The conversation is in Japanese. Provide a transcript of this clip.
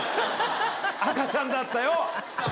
赤ちゃんだったよ。